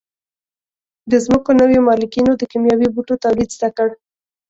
د ځمکو نویو مالکینو د کیمیاوي بوټو تولید زده کړ.